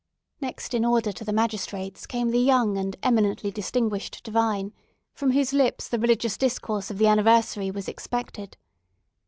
Next in order to the magistrates came the young and eminently distinguished divine, from whose lips the religious discourse of the anniversary was expected.